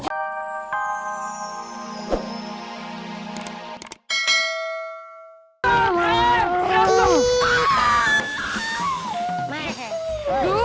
kenapa itu cangkir penyok